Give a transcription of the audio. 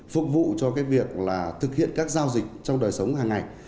phục vụ cho cái việc là thực hiện các giao dịch trong đời sống hàng ngày